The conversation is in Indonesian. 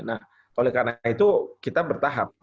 nah oleh karena itu kita bertahap